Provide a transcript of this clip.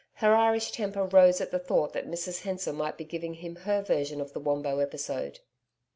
Her Irish temper rose at the thought that Mrs Hensor might be giving him her version of the Wombo episode.